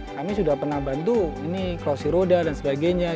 kami sudah pernah bantu ini krosir roda dan sebagainya